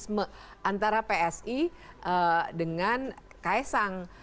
simbiosis mutualisme antara psi dengan ksang